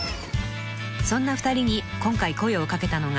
［そんな２人に今回声を掛けたのが］